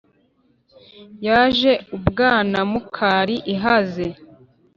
Yaje u Bwanamukari ihaze,